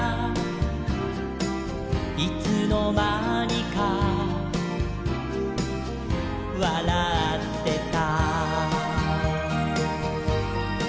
「いつのまにかわらってた」